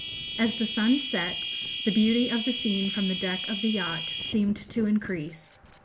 As the sun set, the beauty of the scene from the deck of the yacht seemed to increase.